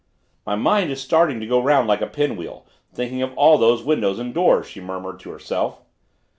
"My mind is starting to go round like a pinwheel, thinking of all those windows and doors," she murmured to herself.